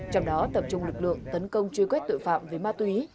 trong đó tập trung lực lượng tấn công truy quét tội phạm về ma túy